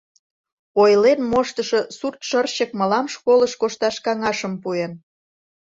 Ойлен моштышо Суртшырчык мылам школыш кошташ каҥашым пуэн.